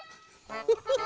フフフフ。